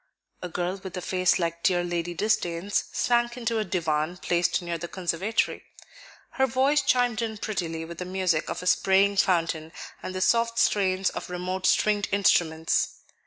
A girl with a face like dear Lady Disdain's sank into a divan placed near the conservatory; her voice chimed in prettily with the music of a spraying fountain and the soft strains of remote stringed instruments.